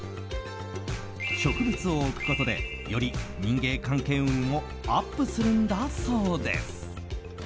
植物を置くことでより人間関係運もアップするんだそうです。